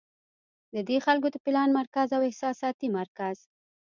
د دې خلکو د پلان مرکز او احساساتي مرکز